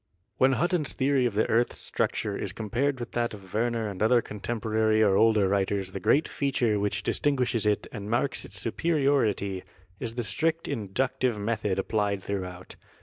When Hutton's theory of the earth's structure is com pared with that of Werner and other contemporary or older writers the great feature which distinguishes it and marks its superiority is the strict inductive method applied throughout.